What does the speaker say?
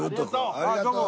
ありがとう。